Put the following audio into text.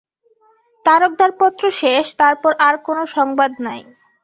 তারকদার পত্র শেষ, তারপর আর কোন সংবাদ নাই।